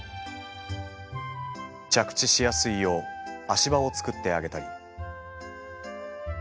着地しやすいよう足場を作ってあげたり。